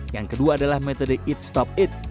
yang kedua adalah metode eat stop eat